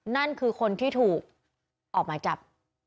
นั่นคือคนที่ถูกออกหมายจับ